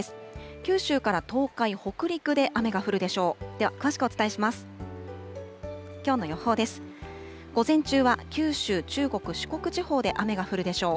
九州から東海、北陸で雨が降るでしょう。